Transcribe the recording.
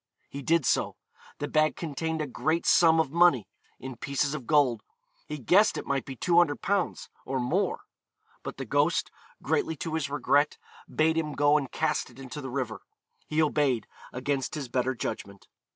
He did so. The bag contained 'a great sum of money,' in pieces of gold; he guessed it might be 200_l._ or more. But the ghost, greatly to his regret, bade him go and cast it into the river. He obeyed, against his better judgment.